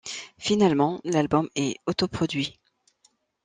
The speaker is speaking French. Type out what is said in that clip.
Finalement, l'album est autoproduit.